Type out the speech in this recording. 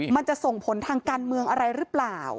มันจะส่งผลทางการเมืองอะไรหรือเปล่า